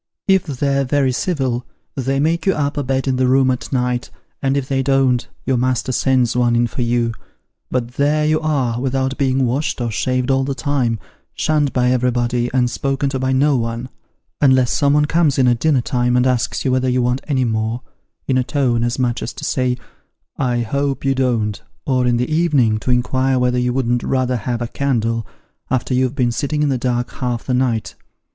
If they're very civil, they make you up a bed in the room at night, and if they don't, your master sends one in for you ; but there you are, without being washed or shaved all the time, shunned by everybody, and spoken to by no one, unless some one comes in at dinner time, and asks you whether you want any more, in a tone as much as to say, ' I hope you don't,' or, in the evening, to inquire whether you wouldn't rather have a candle, after you've been sitting in the dark half the night.